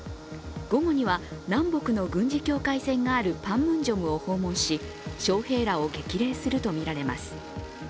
午後には南北の軍事境界線があるパンムンジョムを訪問し将兵らを激励するとみられます。